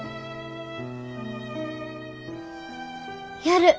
やる。